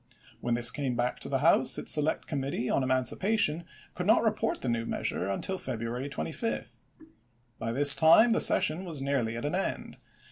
When this came back to the House its select committee on emancipation could not report the new measure until February 25. By this time the session was nearly at an end.